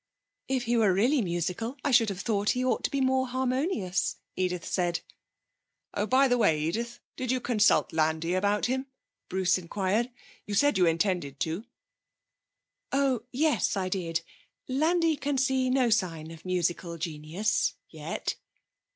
'If he were really musical I should have thought he ought to be more harmonious,' Edith said. 'Oh, by the way, Edith, did you consult Landi about him?' Bruce inquired. 'You said you intended to.' 'Oh yes, I did. Landi can see no sign of musical genius yet.'